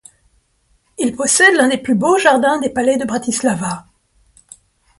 Il possède l'un des plus beaux jardins des palais de Bratislava.